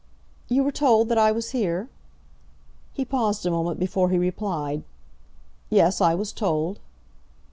"You were told that I was here?" He paused a moment before he replied. "Yes, I was told."